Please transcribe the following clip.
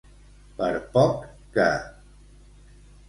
Per poc que.